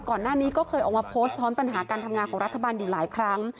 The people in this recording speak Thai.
ก่อนหน้านี้ก็เคยออกมาโพสต์ท้อนปัญหาการทำงานของรัฐบาลอยู่หลายครั้ง